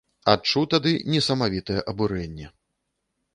Адчуў тады несамавітае абурэнне!